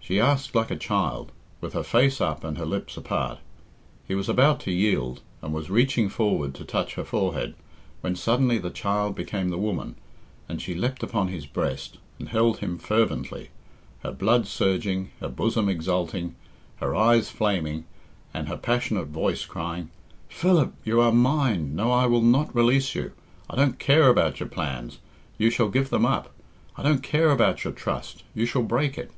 She asked like a child, with her face up and her lips apart. He was about to yield, and was reaching forward to touch her forehead, when suddenly the child became the woman, and she leapt upon his breast, and held him fervently, her blood surging, her bosom exulting, her eyes flaming, and her passionate voice crying, "Philip, you are mine. No, I will not release you. I don't care about your plans you shall give them up. I don't care about your trust you shall break it.